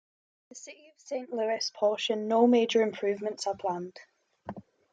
In the City of Saint Louis portion, no major improvements are planned.